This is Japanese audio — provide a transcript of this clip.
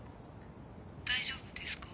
大丈夫ですか？